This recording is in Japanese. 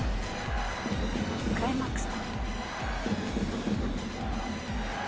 クライマックス。